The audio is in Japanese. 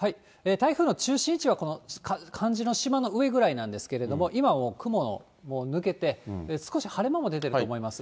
台風の中心位置は、このかんじの島の上ぐらいなんですけれども、今はもう雲ももう抜けて、少し晴れ間も出ていると思います。